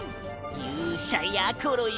ゆうしゃやころよ